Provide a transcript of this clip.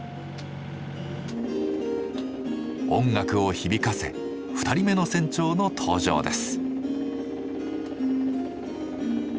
音楽を響かせ２人目の船長の登場です。